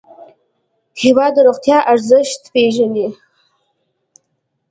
هېواد د روغتیا ارزښت پېژني.